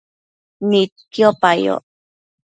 Nidquipa yoc